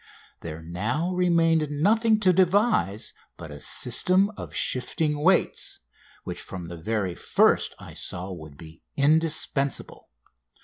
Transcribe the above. There now remained nothing to devise but a system of shifting weights, which from the very first I saw would be indispensable.